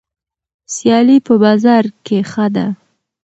سیالي په بازار کې ښه ده.